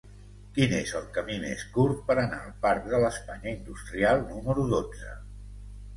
Quin és el camí més curt per anar al parc de l'Espanya Industrial número dotze?